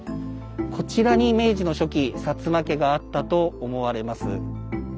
こちらに明治の初期薩摩家があったと思われます。